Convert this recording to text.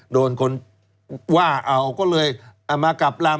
โดนคนว่าเอาก็เลยเอามากลับลำ